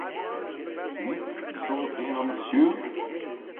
Smith, you saw the paint on this shoe?